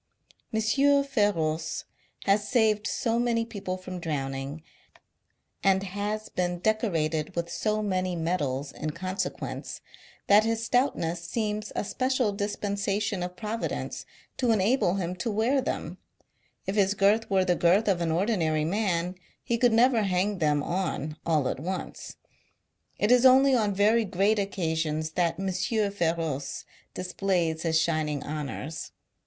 M. Feroce has saved so many people from drowning, and has been decorated with so many medals in consequence, that his stoutness seems a special dispensation of Providence to enable him to wear them ; if his girth were the girth of au ordinary man, he could never hang them on, all at once. It is only on very great occasions that M. Foroce displays his shining honours.